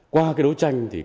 qua đấu tranh